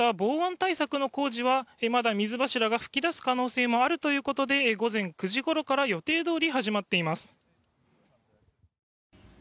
そして今日から始まる予定だった防音対策の工事はまだ水柱が噴き出る可能性があるということで今日午前９時ごろから予定どおり始まっています。